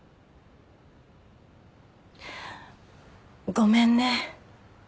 ごめんね。